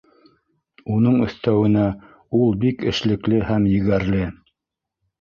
Уның өҫтәүенә, ул бик эшлекле һәм егәрле.